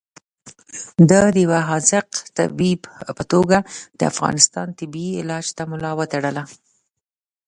ده د یو حاذق طبیب په توګه د افغانستان تبې علاج ته ملا وتړله.